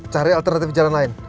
cari alternatif jalan lain